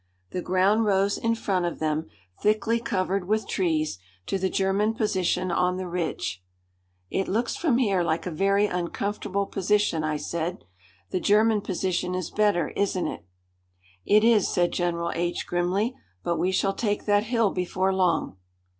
The ground rose in front of them, thickly covered with trees, to the German position on the ridge. "It looks from here like a very uncomfortable position," I said. "The German position is better, isn't it?" "It is," said General H grimly. "But we shall take that hill before long."